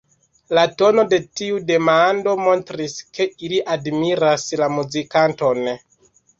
La tono de tiu demando montris, ke ili admiras la muzikanton.